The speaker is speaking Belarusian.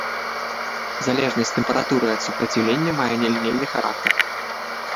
Залежнасць тэмпературы ад супраціўлення мае нелінейны характар.